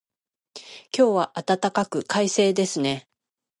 今日は暖かく、快晴ですね。